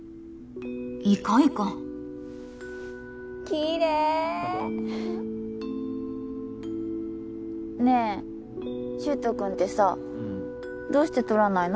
いかんいかんキレイねえ柊人君ってさどうして撮らないの？